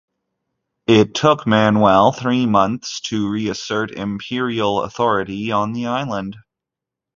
It took Manuel three months to reassert imperial authority on the island.